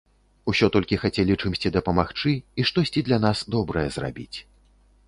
Усё толькі хацелі чымсьці дапамагчы і штосьці для нас добрае зрабіць.